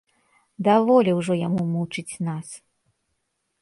Даволі ўжо яму мучыць нас!